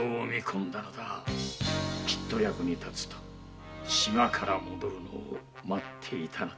必ず役に立つと島から戻るのを待っていたのだ。